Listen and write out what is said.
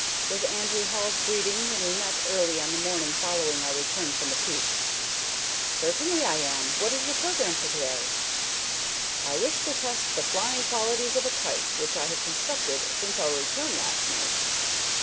was Andrew Hall's greeting when we met early on the morning following our return from the peak. "Certainly I am. What is your programme for to day?" "I wish to test the flying qualities of a kite which I have constructed since our return last night."